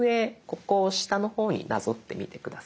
ここを下の方になぞってみて下さい。